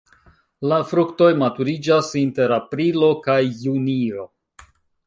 La fruktoj maturiĝas inter aprilo kaj junio.